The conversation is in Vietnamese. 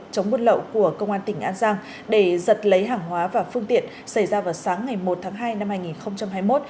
chống buôn lậu của công an tỉnh an giang để giật lấy hàng hóa và phương tiện xảy ra vào sáng ngày một tháng hai năm hai nghìn hai mươi một